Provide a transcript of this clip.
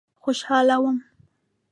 خوشاله وم.